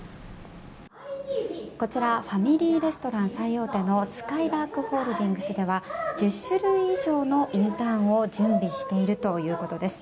こちらファミリーレストラン最大手のすかいらーくホールディングスでは１０種類以上のインターンを準備しているということです。